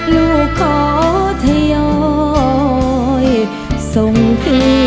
ลูกขอเธอยอมส่งคืน